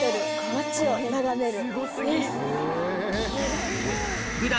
『街を眺める』。